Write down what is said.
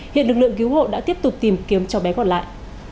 hiện lực lượng cứu hộ đã tiếp tục tìm kiếm cho bé còn lại